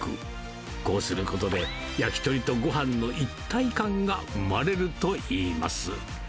こうすることで、焼き鳥とごはんの一体感が生まれるといいます。